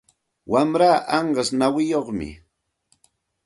Wamraa anqas nawiyuqmi.